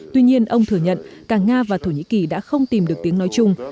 tuy nhiên ông thừa nhận cả nga và thổ nhĩ kỳ đã không tìm được tiếng nói chung